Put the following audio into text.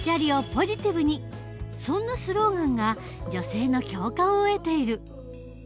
そんなスローガンが女性の共感を得ている。